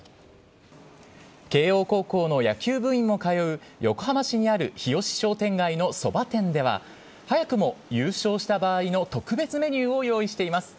慶応高校の野球部員も通う横浜市にある日吉商店街のそば店では、早くも優勝した場合の特別メニューを用意しています。